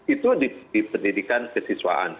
itu di pendidikan kesiswaan